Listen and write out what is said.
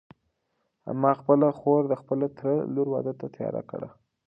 ما خپله خور د خپل تره د لور واده ته تیاره کړه.